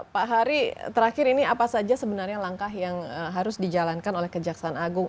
pak hari terakhir ini apa saja sebenarnya langkah yang harus dijalankan oleh kejaksaan agung